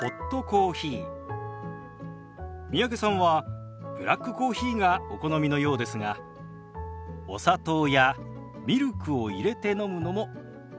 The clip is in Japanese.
三宅さんはブラックコーヒーがお好みのようですがお砂糖やミルクを入れて飲むのもおすすめです。